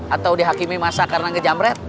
atau dihakimi masa karena ngejamret